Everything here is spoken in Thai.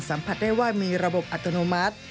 สัมผัสได้ว่ามีระบบอัตโนมัติ